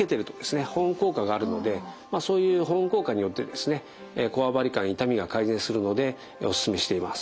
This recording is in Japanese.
保温効果があるのでそういう保温効果によってですねこわばり感痛みが改善するのでおすすめしています。